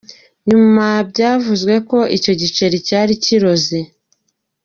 Nyuma byavuzwe ko icyo giceri cyari kiroze.